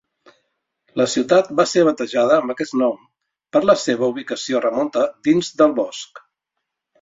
La ciutat va ser batejada amb aquest nom per la seva ubicació remota dins del bosc.